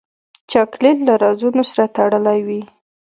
چاکلېټ له رازونو سره تړلی وي.